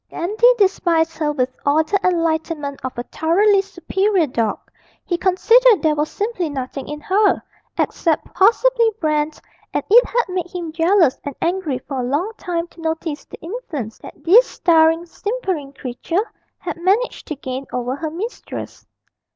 Dandy despised her with all the enlightenment of a thoroughly superior dog; he considered there was simply nothing in her, except possibly bran, and it had made him jealous and angry for a long time to notice the influence that this staring, simpering creature had managed to gain over her mistress.